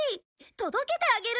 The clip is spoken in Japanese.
届けてあげる！